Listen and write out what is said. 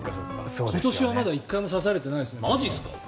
今年はまだ１回も刺されてないですね。